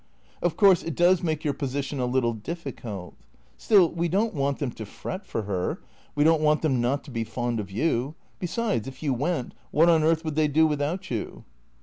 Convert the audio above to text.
" Of course, it does make your position a little difficult. Still, we don't want them to fret for her — we don't want them not to be fond of you. Besides, if you went, what on earth would they do without you